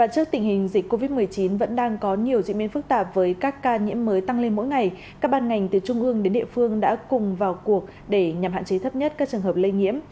trước tình hình dịch covid một mươi chín vẫn đang có nhiều diễn biến phức tạp với các ca nhiễm mới tăng lên mỗi ngày các ban ngành từ trung ương đến địa phương đã cùng vào cuộc để nhằm hạn chế thấp nhất các trường hợp lây nhiễm